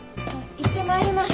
行ってまいります。